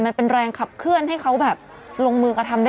ชัดแบบเคลื่อนให้เขาก็ลงมือกระทำได้